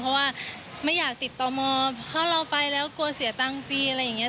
เพราะว่าไม่อยากติดต่อมอถ้าเราไปแล้วกลัวเสียตังค์ฟรีอะไรอย่างนี้